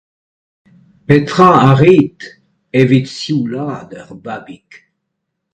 Petra a rit evit sioulaat ur babig ?